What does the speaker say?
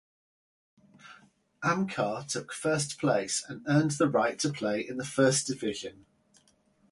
Amkar took first place and earned the right to play in the First Division.